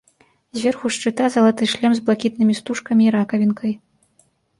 Зверху шчыта залаты шлем з блакітнымі стужкамі і ракавінкай.